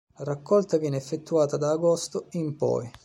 La raccolta viene effettuata da agosto in poi.